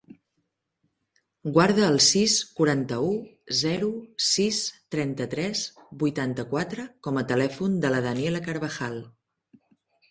Guarda el sis, quaranta-u, zero, sis, trenta-tres, vuitanta-quatre com a telèfon de la Daniela Carvajal.